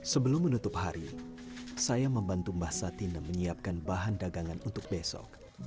sebelum menutup hari saya membantu mbah satina menyiapkan bahan dagangan untuk besok